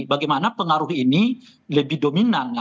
bagaimana pengaruh ini lebih dominan